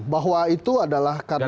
bahwa itu adalah karena